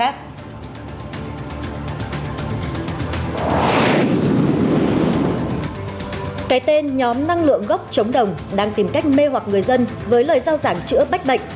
cái tên nhóm năng lượng gốc chống đồng đang tìm cách mê hoặc người dân với lời giao giảng chữa bách bệnh